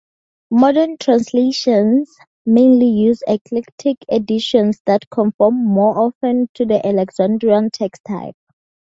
Modern translations mainly use Eclectic editions that conform more often to the Alexandrian text-type.